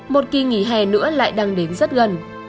một kỳ nghỉ hè nữa lại đang đến rất gần